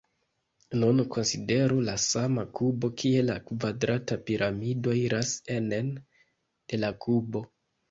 Nun konsideru la sama kubo kie la kvadrata piramido iras enen de la kubo.